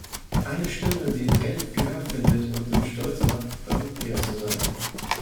Eine Stimme, die in Genf Gehör findet und uns stolz macht, Europäer zu sein.